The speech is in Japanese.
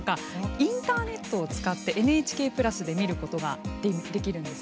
インターネットを使ってＮＨＫプラスで見ることができるんです。